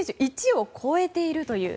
１を超えているという。